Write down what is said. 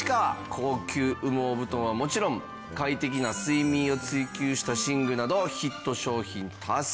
高級羽毛布団はもちろん快適な睡眠を追求した寝具などヒット商品多数。